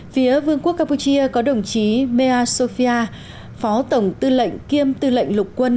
phía vương quốc campuchia có đồng chí mea sofia phó tổng tư lệnh kiêm tư lệnh lục quân